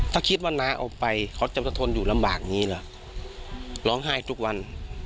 ถ้าคิดว่าน้าเอาไปเขาจะสะทนอยู่ลำบากอย่างนี้เหรอร้องไห้ทุกวัน